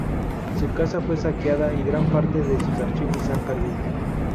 Su casa fue saqueada y gran parte de sus archivos se han perdido.